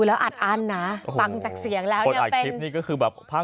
อรุณเสริมวิ่งอรุณเสริมวิ่งอาจรบเทนตะ